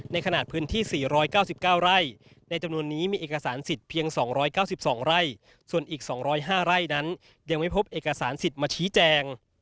ในขณะพื้นที่๔๙๙ไร่ในจำนวนนี้มีเอกสารสิทธิ์เพียง๒๙๒ไร่ส่วนอีก๒๐๕ไร่นั้นยังไม่พบเอกสารสิทธิ์มาชี้แจง